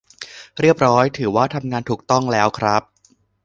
เรียบร้อย ถือว่าทำงานถูกต้องแล้วครับ